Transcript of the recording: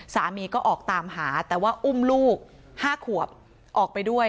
สามีก็ออกตามหาแต่ว่าอุ้มลูก๕ขวบออกไปด้วย